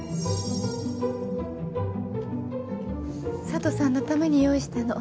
佐都さんのために用意したの。